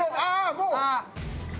もう。